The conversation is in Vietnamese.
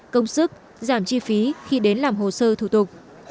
công sức giảm chi phí khi đến làm hồ sơ thủ tục